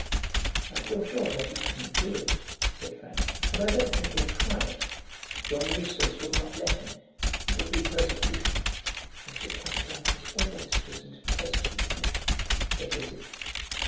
"I feel sure that he couldn't do it," said Frank, "and I don't think he'll try it. John Eustace would not let him. It would be persecution." "Mr. Camperdown has always chosen to persecute me," said Lizzie.